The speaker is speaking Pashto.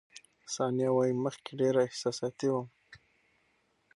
ثانیه وايي، مخکې ډېره احساساتي وم.